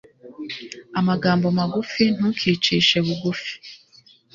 amagambo magufi ntukicishe bugufi